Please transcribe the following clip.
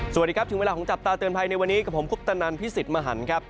สวัสดีครับถึงเวลาของจับตาเตือนภัยในวันนี้กับผมคุปตนันพิสิทธิ์มหันครับ